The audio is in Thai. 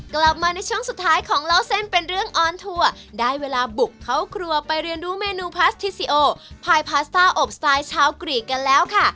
กลับมาในช่วงสุดท้ายของเล่าเส้นเป็นเรื่องออนทัวร์ได้เวลาบุกเข้าครัวไปเรียนรู้เมนูพาสทิซิโอพายพาสต้าอบสไตล์ชาวกรีกกันแล้วค่ะ